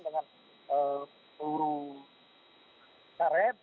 dengan peluru karet